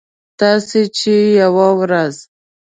تاسې چې یوه ورځ